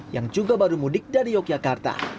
yang juga baru mudik dari yogyakarta